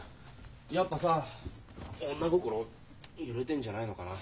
やっぱさ女心揺れてんじゃないのかな。